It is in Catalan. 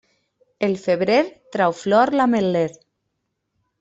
El febrer trau flor l'ametller.